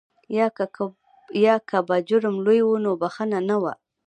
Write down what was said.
یا که به جرم لوی و نو بخښنه نه وه.